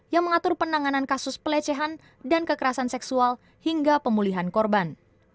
yang mengatur penanganan kasus pelecehan dan kekerasan seksual hingga pemulihan korban